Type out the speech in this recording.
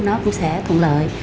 nó cũng sẽ thuận lợi